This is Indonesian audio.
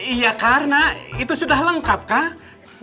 iya karena itu sudah lengkap kak